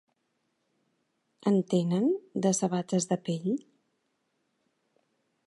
En tenen, de sabates de pell?